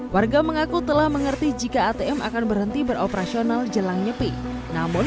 warga mengaku telah mengerti jika atm akan berhenti beroperasional jelang nyepi namun